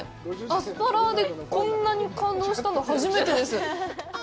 アスパラでこんなに感動したの初めてです。